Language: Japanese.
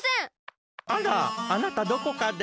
あらあなたどこかで。